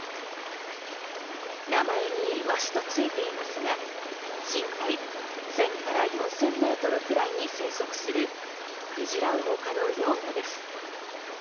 名前にイワシとついていますが深海１０００から４０００ｍくらいに生息するクジラウオ科の幼魚です。